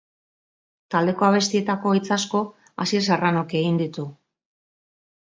Taldeko abestietako hitz asko Asier Serranok egin ditu.